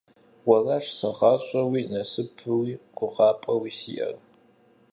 Уэращ сэ гъащӀэуи, насыпуи, гугъапӀэуи сиӀэр.